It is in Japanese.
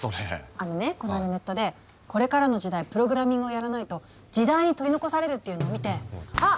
あのねこないだネットでこれからの時代プログラミングをやらないと時代に取り残されるっていうのを見てあっ！